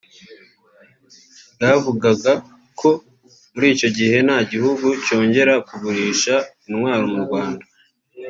ryavugaga ko muri icyo gihe nta gihugu cyongera kugurisha intwaro mu Rwanda